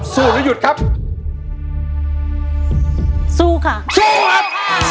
หรือหยุดครับสู้ค่ะสู้ครับ